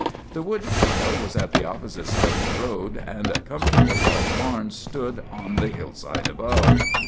The woodpile was at the opposite side of the road, and comfortable log barns stood on the hillside above.